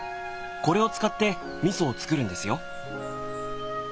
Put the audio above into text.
これを使って味噌を作るんですよ。